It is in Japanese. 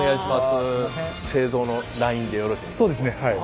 製造のラインでよろしい？